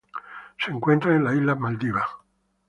Se encuentran en las islas Maldivas.